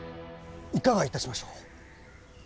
いかがいたしましょう？